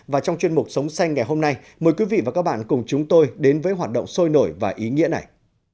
và trong chuyên mục sống xanh ngày hôm nay mời quý vị và các bạn cùng chúng tôi đến với hoạt động sôi nổi và ý nghĩa này